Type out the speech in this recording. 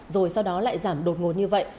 rồi sau đó lại giảm đột ngột như vậy